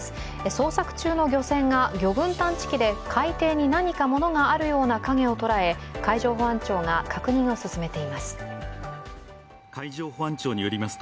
捜索中の漁船が魚群探知機で海底に何か物があるような影を捉え海上保安庁が確認を進めています。